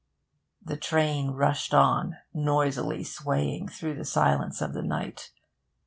The train rushed on, noisily swaying through the silence of the night.